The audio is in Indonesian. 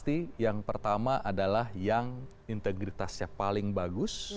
dan yang paling baik adalah yang integritasnya paling bagus